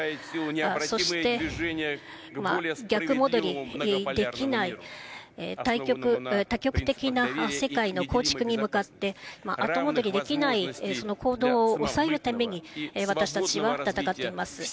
そして、逆戻りできない多極的な世界の構築に向かって、後戻りできないその行動を抑えるために、私たちは戦っています。